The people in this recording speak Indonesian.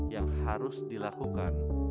yang harus dilakukan